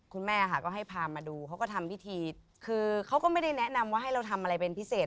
คุณแม่ค่ะก็ให้พามาดูเขาก็ทำพิธีคือเขาก็ไม่ได้แนะนำว่าให้เราทำอะไรเป็นพิเศษ